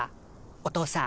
お父さん。